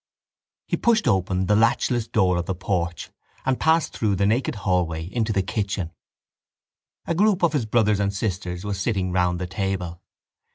He pushed open the latchless door of the porch and passed through the naked hallway into the kitchen. A group of his brothers and sisters was sitting round the table.